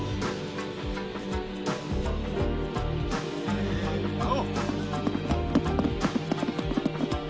せの！